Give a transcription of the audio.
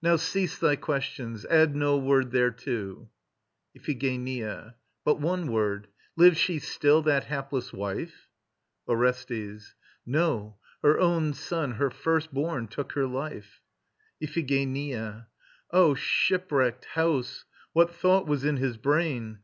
Now cease thy questions. Add no word thereto. IPHIGENIA. But one word. Lives she still, that hapless wife? ORESTES. No. Her own son, her first born, took her life. IPHIGENIA. O shipwrecked house! What thought was in his brain?